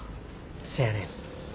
せやねん。